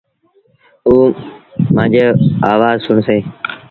او مآݩجيٚ آوآز سُڻسيݩ